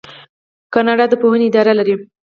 کاناډا د پوهنې اداره لري.